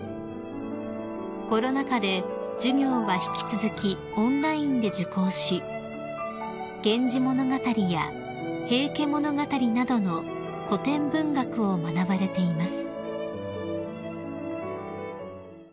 ［コロナ禍で授業は引き続きオンラインで受講し『源氏物語』や『平家物語』などの古典文学を学ばれています］